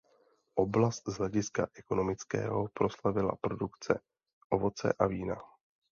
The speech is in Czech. Oblast z hlediska ekonomického proslavila produkce ovoce a vína.